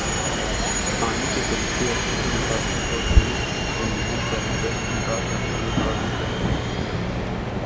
آنے کے طریقے اور کسی مسافر کودور یا نزدیک جانے پر انکار نہ کرنے کا بھی در